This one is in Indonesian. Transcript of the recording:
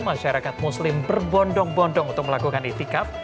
masyarakat muslim berbondong bondong untuk melakukan itikaf